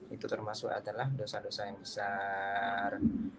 itu termasuk adalah dosa dosa yang besar